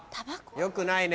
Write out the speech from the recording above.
良くないね。